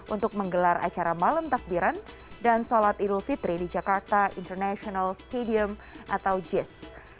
untuk menggelar acara malam takbiran dan sholat idul fitri di jakarta international stadium atau jis